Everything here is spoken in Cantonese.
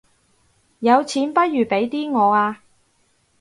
有錢不如俾啲我吖